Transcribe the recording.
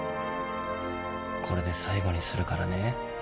これで最後にするからね。